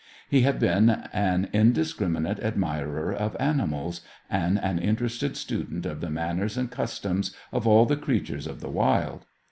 He had been an indiscriminate admirer of animals, and an interested student of the manners and customs of all the creatures of the wild.